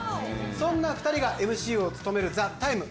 そんな２人がＭＣを務める「ＴＨＥＴＩＭＥ，」